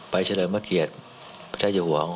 เฉลิมพระเกียรติพระเจ้าอยู่หัว